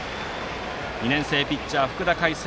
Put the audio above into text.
２年生ピッチャー、福田海晴。